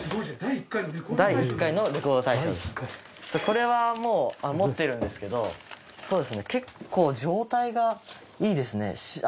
これはもう持ってるんですけどそうですね結構状態がいいですね。